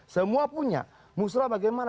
semua punya musrah bagaimana